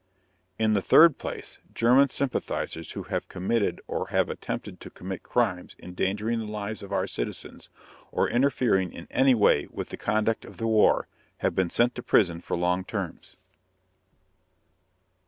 In the third place, German sympathizers who have committed or have attempted to commit crimes endangering the lives of our citizens, or interfering in anyway with the conduct of the war, have been sent to prison for long terms.